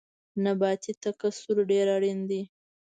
نباتي تکثیر ډیر اړین دی